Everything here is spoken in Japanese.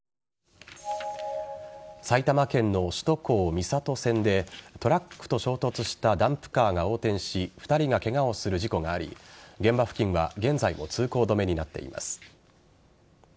埼玉県の首都高三郷線でトラックと衝突したダンプカーが横転し２人がケガをする事故があり現場付近は現在も通行止めになっています。